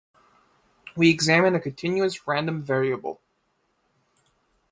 We examine a continuous random variable.